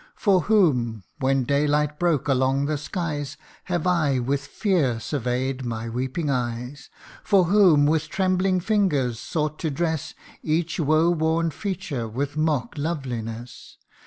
For whom, when daylight broke along the skies, Have I with fear survey 'd my weeping eyes ? For whom, with trembling fingers sought to dress Each woe worn feature with mock loveliness